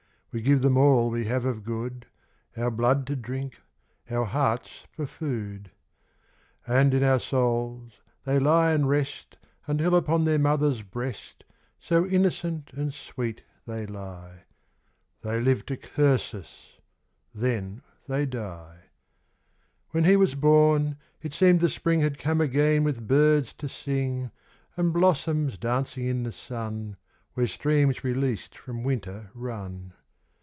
We give them all we have of good, Our blood to drink, our hearts for food ; And in our souls they lie and rest Until upon their mother's breast So innocent and sweet they lie. They live to curse us ; then they die. When he was born, it seemed the spring Had come again with birds to sing And blossoms dancing in the sun Where streams released from winter run.